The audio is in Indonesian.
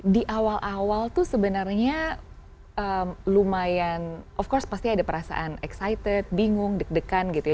di awal awal tuh sebenarnya lumayan of course pasti ada perasaan excited bingung deg degan gitu ya